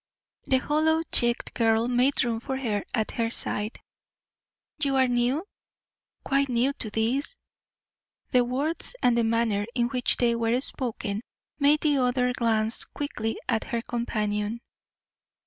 The hollow cheeked girl made room for her at her side. "You are new?" "Quite new to this." The words, and the manner in which they were spoken, made the other glance quickly at her companion.